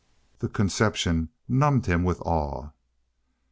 The conception numbed him with awe....